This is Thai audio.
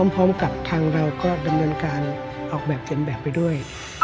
พร้อมกับทางเราก็ดำเนินการออกแบบเต็มแบบไปด้วย